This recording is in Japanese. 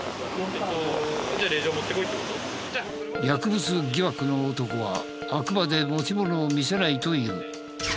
薬物疑惑の男はあくまで持ち物を見せないという。